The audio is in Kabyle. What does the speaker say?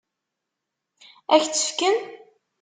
Ad k-tt-fken?